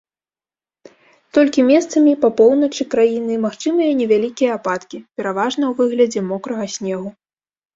Толькі месцамі па поўначы краіны магчымыя невялікія ападкі, пераважна ў выглядзе мокрага снегу.